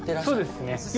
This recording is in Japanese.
そうですね。